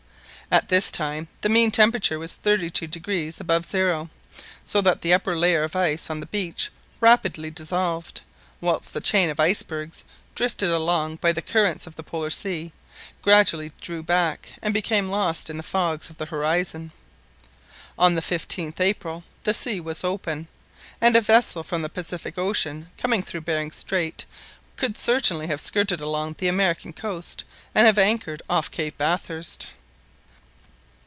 At this time the mean temperature was 32° above zero, so that the upper layer of ice on the beach rapidly dissolved, whilst the chain of icebergs, drifted along by the currents of the Polar Sea, gradually drew back and became lost in the fogs on the horizon. On the 15th April the sea was open, and a vessel from the Pacific Ocean coming through Behring Strait, could certainly have skirted along the American coast, and have anchored off Cape Bathurst.